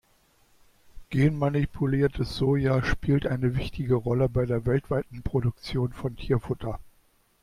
Genmanipuliertes Soja spielt eine wichtige Rolle bei der weltweiten Produktion von Tierfutter.